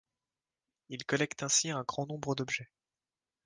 Il collecte ainsi un grand nombre d'objets.